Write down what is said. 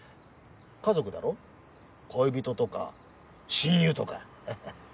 家族だろ恋人とか親友とかハハッ。